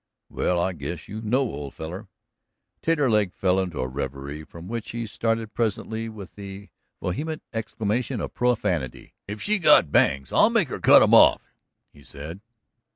"Well, I guess you know, old feller." Taterleg fell into a reverie, from which he started presently with a vehement exclamation of profanity. "If she's got bangs, I'll make her cut 'em off!" he said.